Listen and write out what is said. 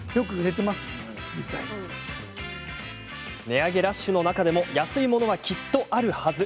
値上げラッシュの中でも安いものは、きっとあるはず。